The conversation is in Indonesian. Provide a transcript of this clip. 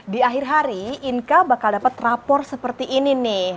di akhir hari inka bakal dapat rapor seperti ini nih